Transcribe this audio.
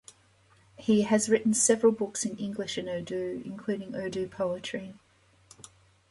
He has written several books in English and Urdu, including Urdu poetry.